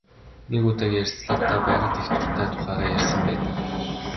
Нэг удаагийн ярилцлагадаа байгальд их дуртай тухайгаа ярьсан байдаг.